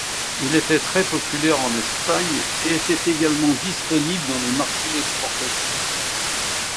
Il était très populaire en Espagne, et était également disponible dans les marchés d'exportation.